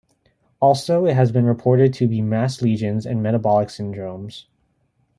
Also it has been reported to be mass lesions and metabolic syndromes.